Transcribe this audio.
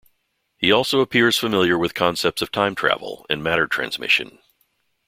He also appears familiar with concepts of time travel and matter transmission.